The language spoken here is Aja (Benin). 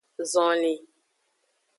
Zonlin.